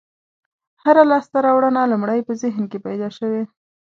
هره لاستهراوړنه لومړی په ذهن کې پیدا شوې.